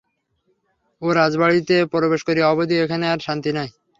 ও রাজবাড়িতে প্রবেশ করিয়া অবধি এখানে আর শান্তি নাই।